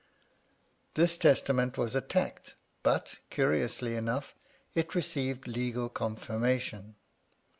This testament was attacked, but, curiously enough, it received legal confirmation.